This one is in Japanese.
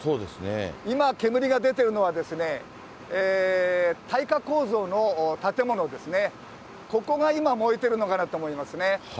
今、煙が出てるのはですね、耐火構造の建物ですね、ここが今、燃えてるのかなと思いますね。